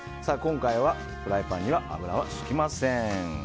今回はフライパンには油をひきません。